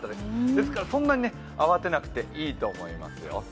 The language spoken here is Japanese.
ですから、そんなに慌てなくていいと思いますよ。